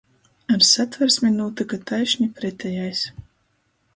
Ar Satversmi nūtyka taišni pretejais.